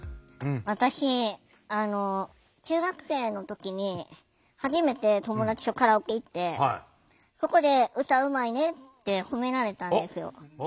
私中学生の時に初めて友達とカラオケ行ってそこで歌うまいねってほめられたんですよ。